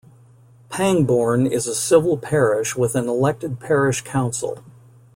Pangbourne is a civil parish with an elected parish council.